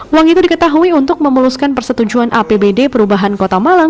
uang itu diketahui untuk memuluskan persetujuan apbd perubahan kota malang